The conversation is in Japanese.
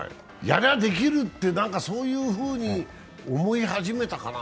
やりゃできるって、そういうふうに思い始めたかな。